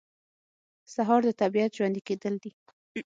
سهار د طبیعت ژوندي کېدل دي.